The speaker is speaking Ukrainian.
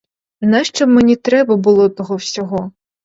Нащо мені треба було того всього?